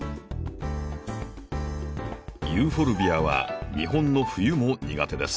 ユーフォルビアは日本の冬も苦手です。